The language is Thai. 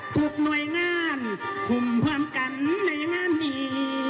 ทุกหน่วยงานคุมความกันในงานนี้